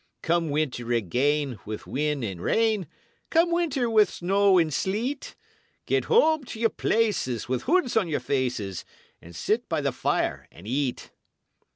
Come winter again, with wind and rain Come winter, with snow and sleet, Get home to your places, with hoods on your faces, And sit by the fire and eat."